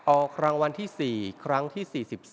ออกรางวัลที่๔ครั้งที่๔๔